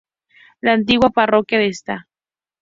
La antigua parroquia de Sta.